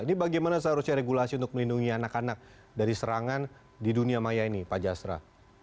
ini bagaimana seharusnya regulasi untuk melindungi anak anak dari serangan di dunia maya ini pak jasra